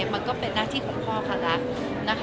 มันก็เป็นหน้าที่ของพ่อค่ะละ